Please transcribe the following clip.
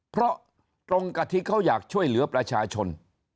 เพราะตรงกับที่เขาอยากช่วยเหลือประชาชน